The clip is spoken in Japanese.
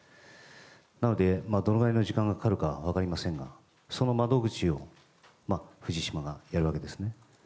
なので、どのぐらいの時間がかかるか分かりませんがその窓口を藤島がやるわけですね。